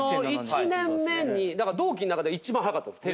１年目に同期の中で一番早かったです。